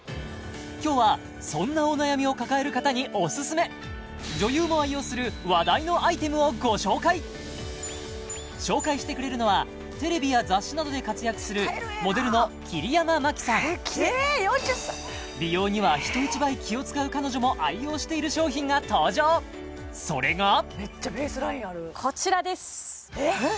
今日はそんなお悩みを抱える方にオススメ女優も愛用するをご紹介紹介してくれるのは美容には人一倍気を使う彼女も愛用している商品が登場それがこちらですえっ？